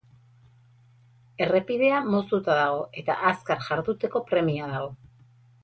Errepidea moztuta dago, eta azkar jarduteko premia dago.